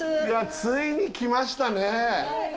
ついに来ましたね。